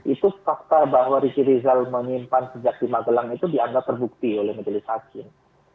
itu fakta bahwa riki rizal menyimpan senjata lima gelang itu dianggap terbukti oleh majelis hakin